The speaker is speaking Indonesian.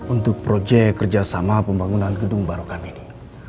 untuk projek kerja sama pembangunan gedung barok kamini